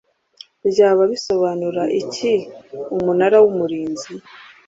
byabaga bisobanura iki Umunara w Umurinzi